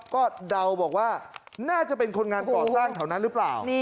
ก็เดาบอกว่าน่าจะเป็นคนงานก่อสร้างแถวนั้นหรือเปล่า